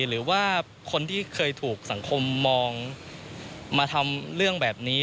หรือว่าคนที่เคยถูกสังคมมองมาทำเรื่องแบบนี้